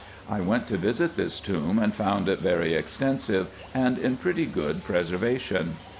I went to visit this tomb, and found it very extensive, and in pretty good preservation.